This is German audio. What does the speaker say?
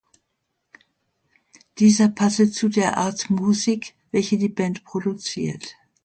Dieser passe zu der Art der Musik, welche die Band produziert.